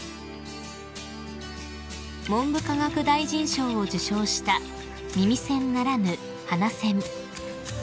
［文部科学大臣賞を受賞した耳栓ならぬ鼻栓］